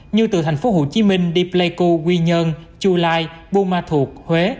như từ thành phố hồ chí minh deep lake quy nhơn chù lai bù ma thuộc huế